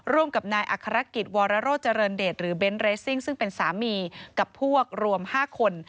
ร่วมกับนายอัครกิจวรโรเจริญเดชหรือเบนท์เรสซิ่งซึ่งเป็นสามีกับพวกรวม๕คน